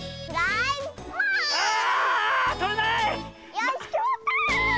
よしきまった！